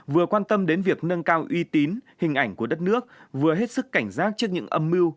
vừa quan tâm đến việc nâng cao uy tín hình ảnh của đất nước vừa hết sức cảnh giác trước những âm mưu